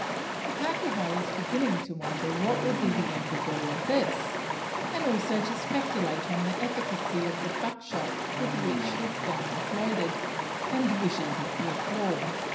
The pakeha is beginning to wonder what will be the end of all this; and also to speculate on the efficacy of the buck shot with which his gun is loaded, and wishes it was ball.